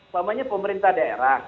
pertama nya pemerintah daerah